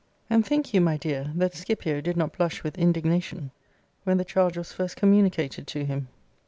And think you, my dear, that Scipio did not blush with indignation, when the charge was first communicated to him?